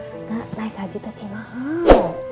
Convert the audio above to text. agak naik haji tuh cuman mahal